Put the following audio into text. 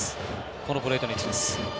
このプレートの位置です。